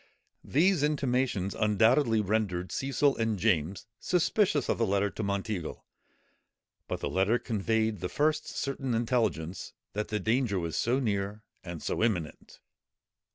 These intimations undoubtedly rendered Cecil and James suspicious of the letter to Monteagle; but the letter conveyed the first certain intelligence that the danger was so near and so imminent.